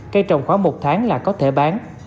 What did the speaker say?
cây trồng khoảng một tháng là có thể bán